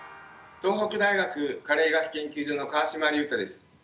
東北大学加齢医学研究所の川島隆太です。